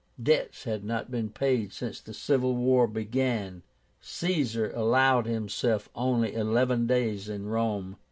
Debts had not been paid since the civil war began. Caesar allowed himself only eleven days in Rome.